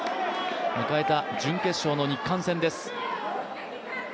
迎えた準決勝の日韓戦です。